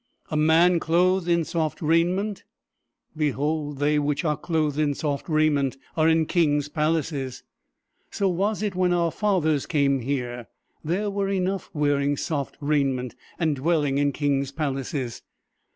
A man clothed in soft raiment? Behold they which are clothed in soft raiment are in kings' palaces." So was it when our fathers came here. There were enough wearing soft raiment and dwelling in kings' palaces.